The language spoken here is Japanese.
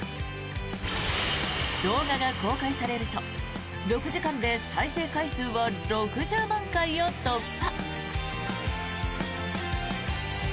動画が公開されると６時間で再生回数は６０万回を突破。